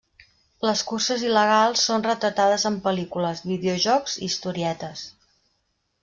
Les curses il·legals són retratades en pel·lícules, videojocs i historietes.